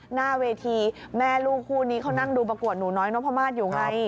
หน้าเวทีแม่ลูกคู่นี้เขานั่งดูประกวดหนูน้อยนพมาศอยู่ไง